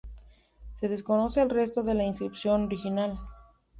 Se desconoce el resto de la inscripción original.